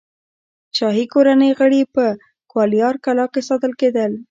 د شاهي کورنۍ غړي په ګوالیار کلا کې ساتل کېدل.